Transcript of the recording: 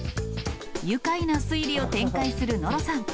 愉快な推理を展開する野呂さん。